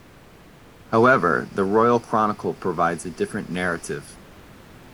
However the "Royal Chronicle" provides a different narrative.